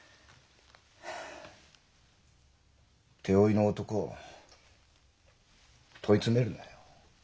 手負いの男を問い詰めるなよ。